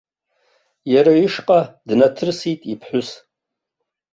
Иара ишҟа днаҭрысит иԥҳәыс.